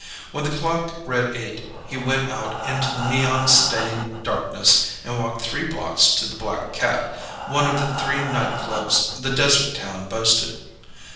When the clock read eight, he went out into the neon stained darkness and walked three blocks to the Black Cat, one of the three night clubs the desert town boasted.